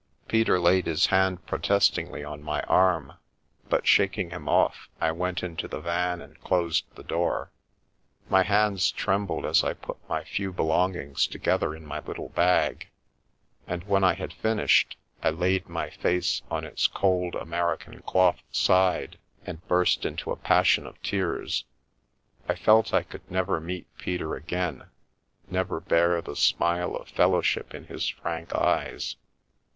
Peter laid his hand protestingly on my arm, but shaking him off, I went into the van and closed the door. My hands trembled as I put my few belongings together in my little bag, and when I had finished, I laid my face on its cold American cloth side, and burst into a passion of tears. I felt I could never meet Peter again, never bear the smile of fellow ship in his frank eyes.